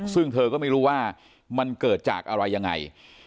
ซึ่งเธอก็ไม่รู้ว่ามันเกิดจากอะไรยังไง